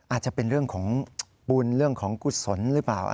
อาจจะเป็นเรื่องของบุญเรื่องของกุศลหรือเปล่า